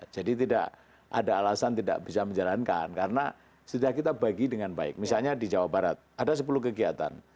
jadi tidak ada alasan tidak bisa menjalankan karena setelah kita bagi dengan baik misalnya di jawa barat ada sepuluh kegiatan